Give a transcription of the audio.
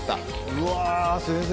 うわ先生